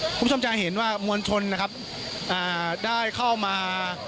คุณผู้ชมจะเห็นว่ามวลชนนะครับอ่าได้เข้ามา